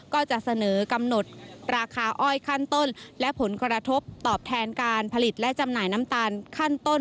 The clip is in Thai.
ก็จะเสนอกำหนดราคาอ้อยขั้นต้นและผลกระทบตอบแทนการผลิตและจำหน่ายน้ำตาลขั้นต้น